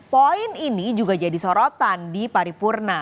poin ini juga jadi sorotan di paripurna